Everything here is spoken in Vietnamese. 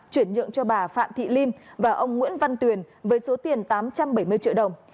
chuyển nhượng cho bà phạm thị linh và ông nguyễn văn tuyền với số tiền tám trăm bảy mươi triệu đồng